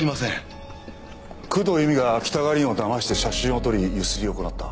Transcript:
工藤由美が北川凛をだまして写真を撮り強請りを行った。